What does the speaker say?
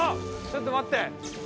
ちょっと待って！